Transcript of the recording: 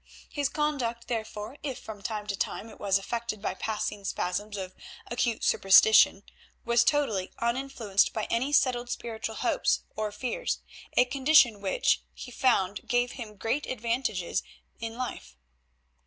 His conduct, therefore, if from time to time it was affected by passing spasms of acute superstition, was totally uninfluenced by any settled spiritual hopes or fears, a condition which, he found, gave him great advantages in life.